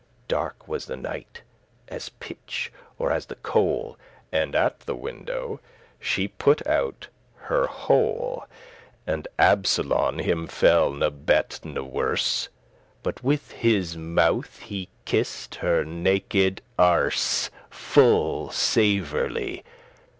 Dark was the night as pitch or as the coal, And at the window she put out her hole, And Absolon him fell ne bet ne werse, But with his mouth he kiss'd her naked erse Full savourly.